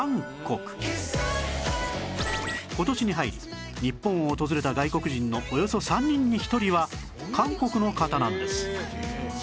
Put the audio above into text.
今年に入り日本を訪れた外国人のおよそ３人に１人は韓国の方なんです